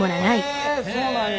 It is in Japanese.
へえそうなんや。